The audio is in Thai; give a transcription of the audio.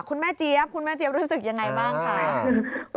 คุณแม่เจี๊ยบคุณแม่เจี๊ยบรู้สึกอย่างไรบ้างค่ะ